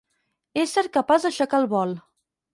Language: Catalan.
Ésser capaç d'aixecar el vol.